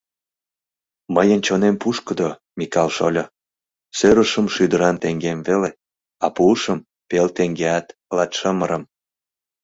Мыйын чонем пушкыдо, Микал шольо: сӧрышым шӱдыран теҥгем веле, а пуышым пел теҥгеат латшымырым.